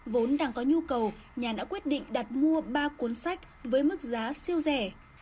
vốn đang có nhu cầu nhà đã quyết định đặt mua ba cuốn sách với mức giá siêu rẻ